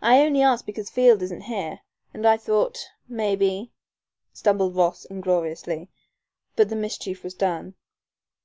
"I only asked because Field isn't here, and I thought maybe " stumbled Ross, ingloriously, but the mischief was done.